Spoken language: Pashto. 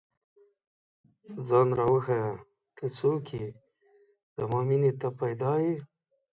ځان راوښیه، ته څوک ئې؟ زما مینې ته پيدا ې